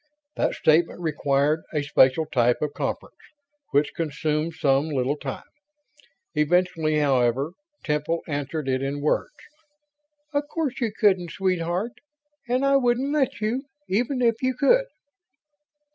That statement required a special type of conference, which consumed some little time. Eventually, however, Temple answered it in words. "Of course you couldn't, sweetheart, and I wouldn't let you, even if you could."